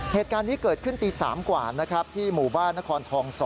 เหตุการณ์นี้เกิดขึ้นตี๓กว่านะครับที่หมู่บ้านนครทอง๒